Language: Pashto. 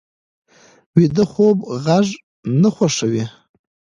ویده خوب غږ نه خوښوي